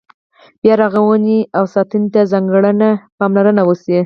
بیا رغونې او ساتنې ته ځانګړې پاملرنه وشي.